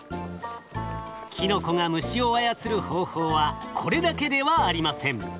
キノコが虫を操る方法はこれだけではありません。